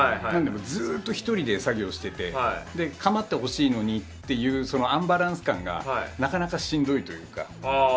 ずっと１人で作業してて構ってほしいのにっていうアンバランス感がなかなかしんどいというか。